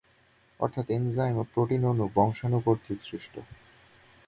অর্থাৎ এনজাইম ও প্রোটিন অণু বংশাণু কর্তৃক সৃষ্ট।